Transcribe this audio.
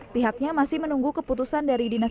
pihaknya masih menunggu keputusan dari dinas